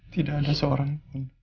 tidak ada seorang